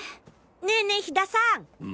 ねえねえ火田さん。